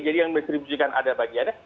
jadi yang distribusikan ada bagiannya